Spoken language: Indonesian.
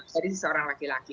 dari seseorang laki laki